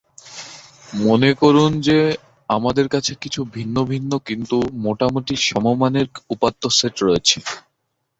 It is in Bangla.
মনে করুন যে, আমাদের কাছে কিছু ভিন্ন ভিন্ন কিন্তু মোটামুটি সমমানের উপাত্ত সেট রয়েছে।